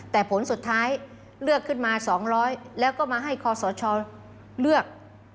แต่ผลสุดท้ายเลือกขึ้นมา๒๐๐แล้วก็มาให้คอสชเลือก